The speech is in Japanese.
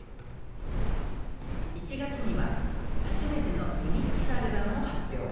１月には初めてのリミックスアルバムを発表。